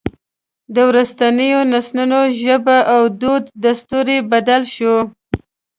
د وروستیو نسلونو ژبه او دود دستور یې بدل شوی.